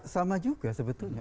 sama juga sebetulnya